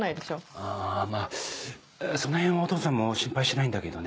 あまぁそのへんはお父さんも心配してないんだけどね。